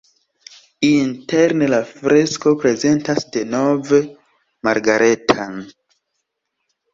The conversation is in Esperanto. Interne la fresko prezentas denove Margareta-n.